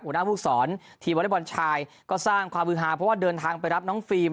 หัวหน้าภูมิสอนทีมวอเล็กบอลชายก็สร้างความฮือฮาเพราะว่าเดินทางไปรับน้องฟิล์ม